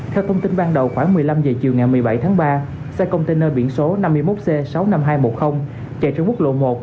theo thông tin ban đầu khoảng một mươi năm h chiều ngày một mươi bảy tháng ba xe container biển số năm mươi một c sáu mươi năm nghìn hai trăm một mươi chạy trên quốc lộ một